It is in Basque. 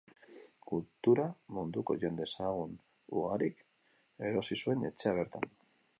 Kultura munduko jende ezagun ugarik erosi zuen etxea bertan.